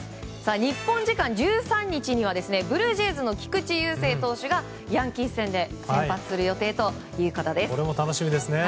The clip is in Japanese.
日本時間１３日にはブルージェイズの菊池雄星投手がヤンキース戦で先発する予定だということです。